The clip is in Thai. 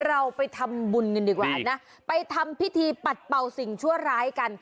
เราไปทำบุญกันดีกว่านะไปทำพิธีปัดเป่าสิ่งชั่วร้ายกัน